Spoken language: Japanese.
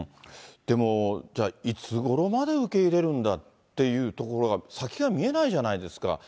でも、じゃあ、いつごろまで受け入れるんだっていうところが、先が見えないじゃないですか。